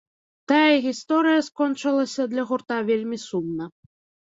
Тая гісторыя скончылася для гурта вельмі сумна.